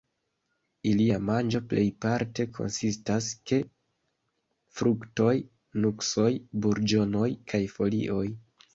Ilia manĝo plejparte konsistas ke fruktoj, nuksoj, burĝonoj kaj folioj.